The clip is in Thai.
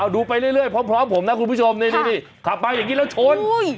ดูไปเรื่อยพร้อมผมนะคุณผู้ชมนี่ขับมาอย่างนี้แล้วชน